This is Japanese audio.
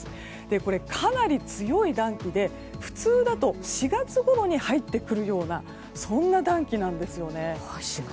これ、かなり強い暖気で普通だと４月ごろに入ってくるような暖気なんですね。